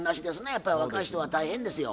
やっぱり若い人は大変ですよ。